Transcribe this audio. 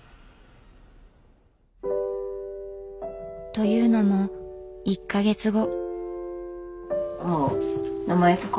というのも１か月後。